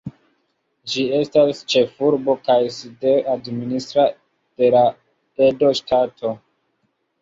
Ĝi estas ĉefurbo kaj sidejo administra de la Edo Ŝtato.